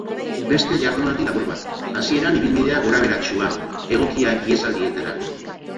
Beste jardunaldi labur bat, hasieran ibilbidea gorabeheratsua, egokia ihesaldietarako.